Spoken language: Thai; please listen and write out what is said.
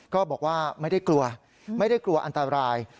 ก็บอกว่าไม่ได้กลัวไม่ได้กลัวอันตราย